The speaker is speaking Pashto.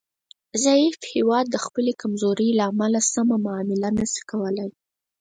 ضعیف هیواد د خپلې کمزورۍ له امله سمه معامله نشي کولای